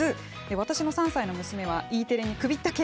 私の３歳の娘はＥテレに首ったけ。